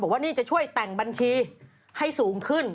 ว่านี่จะช่วยแต่งบัญชีให้สูงขึ้น